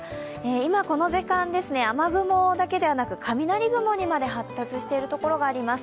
今この時間、雨雲だけではなく雷雲にまで発達しているところがあります。